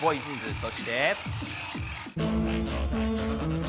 そして。